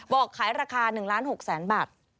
บอกขายราคา๑๖๐๐๐บาท